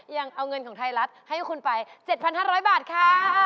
ยังเอาเงินของไทยรัฐให้คุณไป๗๕๐๐บาทค่ะ